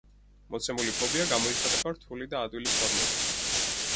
მოცემული ფობია გამოიხატება რთული და ადვილი ფორმებით.